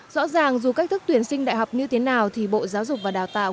rõ ràng dù cách thức tuyển sinh đại học như thế nào thì bộ giáo dục và đào tạo